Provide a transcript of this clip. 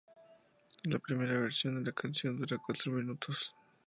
La primera versión de la canción dura cuatro minutos.